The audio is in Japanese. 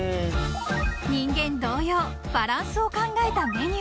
［人間同様バランスを考えたメニュー］